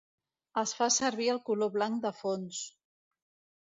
Es fa servir el color blanc de fons.